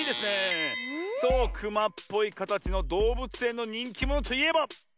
クマっぽいかたちのどうぶつえんのにんきものといえば？